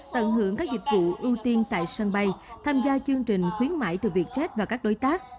tận hưởng các dịch vụ ưu tiên tại sân bay tham gia chương trình khuyến mại từ vietjet và các đối tác